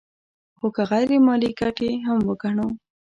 خو که غیر مالي ګټې هم وګڼو